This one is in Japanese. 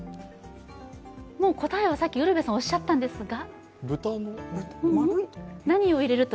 答えはさっき、ウルヴェさんがおっしゃったんですが？